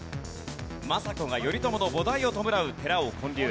政子が頼朝の菩提を弔う寺を建立。